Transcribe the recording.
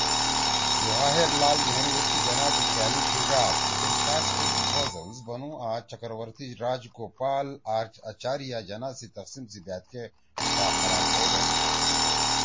جواہرلعل نہرو ایسکے جناح سی ”خیالی ڇھیِڙا“(Fantastic proposals) بنُو آں چکرورتی راجگوپال آچاریہ جناح سی تقسیم سی بأت کے ”ݜا خراب ہؤ“ بنُو